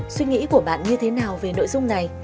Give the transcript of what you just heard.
suy nghĩ của bạn như thế nào về nội dung này